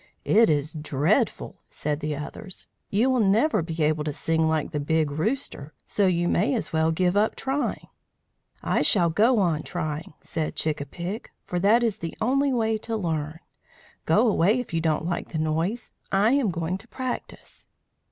"It is dreadful," said the others. "You will never be able to sing like the Big Rooster, so you may as well give up trying." "I shall go on trying," said Chick a pick, "for that is the only way to learn. Go away if you don't like the noise. I am going to practise."